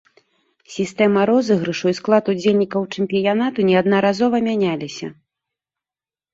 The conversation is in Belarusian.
Сістэма розыгрышу і склад удзельнікаў чэмпіянату неаднаразова мяняліся.